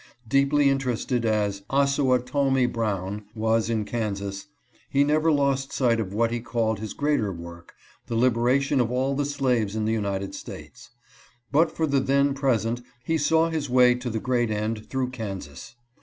Deeply interested as " Ossawatomie Brown" was in Kansas, he never lost sight of what he called his greater work — the liberation of all the slaves in the United States. But for the then present he saw his way to the great end through Kansas.